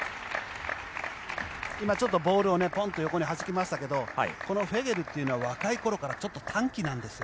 今、ちょっとボールをはじきましたけどこのフェゲルというのは若い頃からちょっと短気なんですよ。